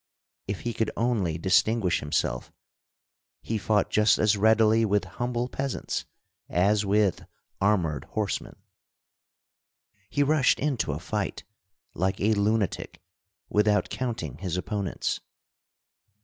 If he could only distinguish himself, he fought just as readily with humble peasants as with armored horsemen. He rushed into a fight like a lunatic, without counting his opponents.